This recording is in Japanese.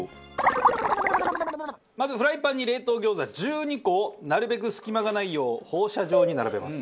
まずフライパンに冷凍餃子１２個をなるべく隙間がないよう放射状に並べます。